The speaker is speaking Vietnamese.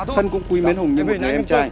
thân cũng quý mến hùng như một người em trai